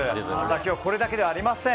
今日、これだけではありません。